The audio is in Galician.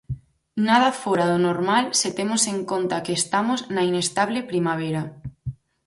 Nada fóra do normal se temos en conta que estamos na inestable primavera.